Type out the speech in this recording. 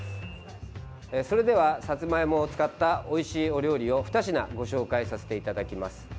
それでは、さつまいもを使ったおいしいお料理をふた品ご紹介させていただきます。